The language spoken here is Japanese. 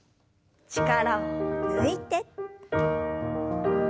力を抜いて。